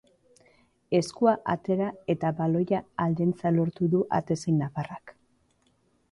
Eskua atera eta baloia aldentzea lortu du atezain nafarrak.